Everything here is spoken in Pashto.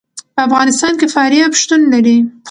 په افغانستان کې فاریاب شتون لري.